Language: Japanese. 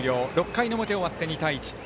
６回の表終わって２対